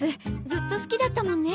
ずっと好きだったもんね